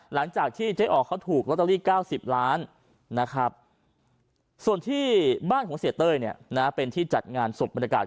หลังจากที่เจ๊ออก่อนเขาถูกลอตเตอรี่๙๐ล้านส่วนที่บ้านของเสียเต้ยเป็นที่จัดงานสมบบรรยากาศ